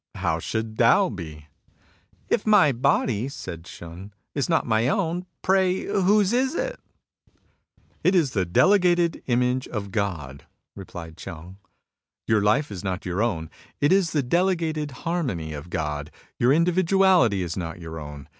How should Tao be ?"If my body," said Shun, " is not my own, pray whose is it ?"'^ It is the delegated image of God," replied Ch'eng. " Your Itfe is not your own. It is the delegated harmony of God. Your individuality is not your own.